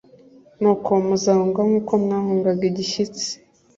Nuko muzahunga nk uko mwahungaga igishyitsi